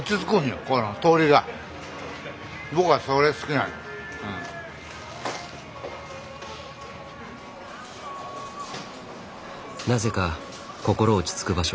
なぜか心落ち着く場所。